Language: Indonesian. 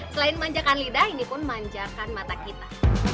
selain manjakan lidah ini pun manjakan mata kita